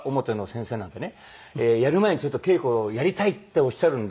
やる前にちょっと稽古をやりたいっておっしゃるんで。